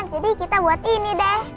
jadi kita buat ini deh